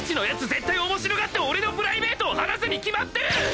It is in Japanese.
絶対面白がって俺のプライベートを話すに決まってる！